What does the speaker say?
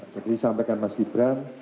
jadi sampaikan mas ibram